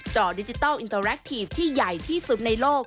จอดิจิทัลอินเตอร์แลคทีฟที่ใหญ่ที่สุดในโลก